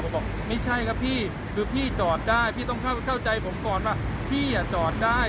ผมบอกไม่ใช่ครับพี่คือพี่จอดได้พี่ต้องเข้าใจผมก่อนว่าพี่จอดได้